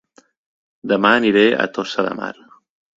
Dema aniré a Tossa de Mar